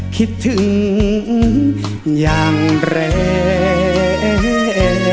คิดถึงอย่างแรง